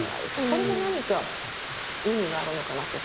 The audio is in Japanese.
これも何か意味があるのかなとか。